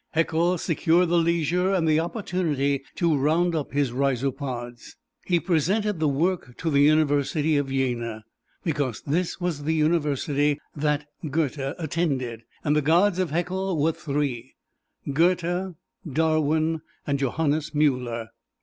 Haeckel secured the leisure and the opportunity to round up his Rhizopods. He presented the work to the University of Jena, because this was the University that Goethe attended, and the gods of Haeckel were three Goethe, Darwin and Johannes Muller.